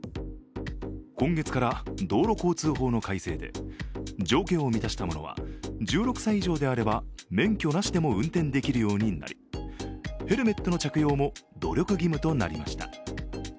今月から道路交通法の改正で、条件を満たしたものは１６歳以上であれば免許なしでも運転できるようになり、ヘルメットの着用も努力義務となりました。